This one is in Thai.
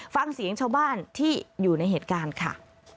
ฟังเสียงชาวบ้านที่อยู่ในเหตุการณ์ค่ะ